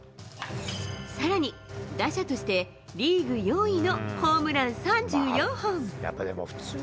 さらに、打者として、リーグ４位のホームラン３４本。